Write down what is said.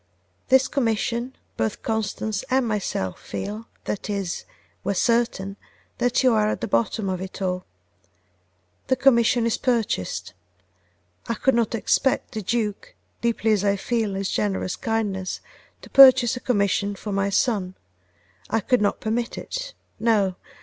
This commission, both Constance and myself feel, that is, we are certain, that you are at the bottom of it all. The commission is purchased. I could not expect the Duke, deeply as I feel his generous kindness, to purchase a commission for my son: I could not permit it. No!